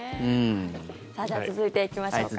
では続いていきましょうか。